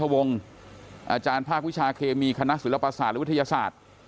อาจารย์ภาควิชาเคมีคณะศิลปศาสตร์และวิทยาศาสตร์